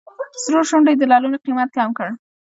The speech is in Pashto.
سرو شونډو یې د لعلونو قیمت کم کړ.